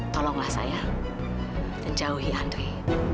tolonglah saya dan jauhi andre